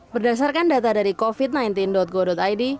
berdasarkan data dari covid sembilan belas go id